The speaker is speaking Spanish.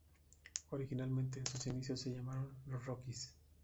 Originalmente en sus inicios se llamaron "Los Rockies".